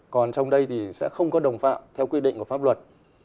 còn trong đây thì sẽ không có đồng phạm theo quy định của pháp luật